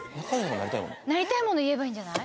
なりたいもの言えばいいんじゃない？